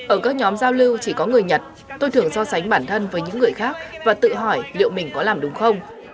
ở các nhóm giao lưu chỉ có người nhật tôi thường so sánh bản thân với những người khác và tự hỏi liệu mình có làm đúng không